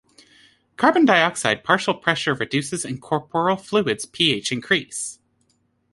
Carbon dioxide partial pressure reduces and corporal fluids pH increase.